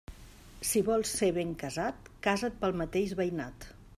Si vols ser ben casat, casa't pel mateix veïnat.